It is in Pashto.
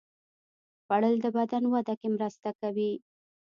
خوړل د بدن وده کې مرسته کوي